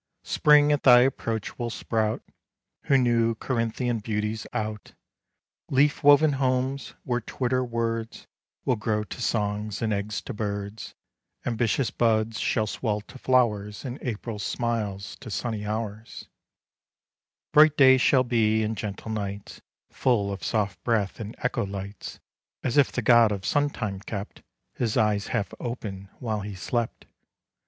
Spring at thy approach will sprout Her new Corinthian beauties out, Leaf woven homes, where twitter words Will grow to songs, and eggs to birds; Ambitious buds shall swell to flowers, And April smiles to sunny hours, Bright days shall be, and gentle nights Full of soft breath and echo lights, As if the god of sun time kept His eyes half open while he slept.